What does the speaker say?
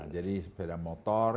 jadi sepeda motor